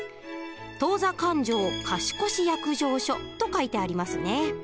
「当座勘定貸越約定書」と書いてありますね。